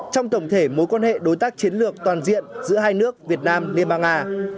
trong tổng thể mối quan hệ đối tác chiến lược toàn diện giữa hai nước việt nam liên bang nga